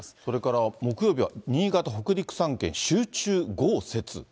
それから木曜日は新潟、北陸３県、集中豪雪。